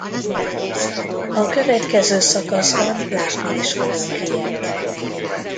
A következő szakaszban látni is fogunk ilyet.